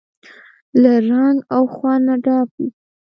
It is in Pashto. له رنګ او خوند نه ډکه وي.